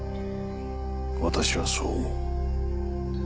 私はそう思う。